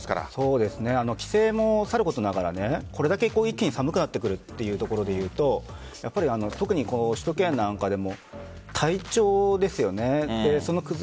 帰省もさることながらこれだけ一気に寒くなってくるというところで言うと特に首都圏でも体調ですよね。